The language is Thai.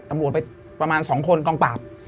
ตำรวจไปประมาณ๒คนกองปราบ